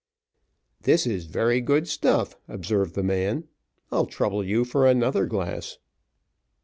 "This is very good stuff," observed the man; "I'll trouble you for another glass."